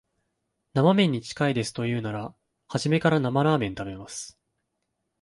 生めんに近いですと言うなら、初めから生ラーメン食べます